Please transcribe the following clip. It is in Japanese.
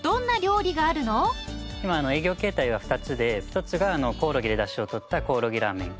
今営業形態は２つで一つがコオロギでダシを取ったコオロギラーメン。